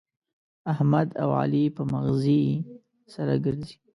احمد او علي په مغزي سره ګرزي.